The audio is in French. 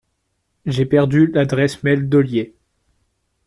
J’ai perdu l’adresse mail d’Olier.